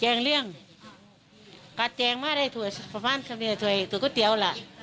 แจงเรื่องกัดแจงมาได้ถ่วยประมาณแค่นี้ถ่วยถ่วยก๋วยเตี๋ยวล่ะ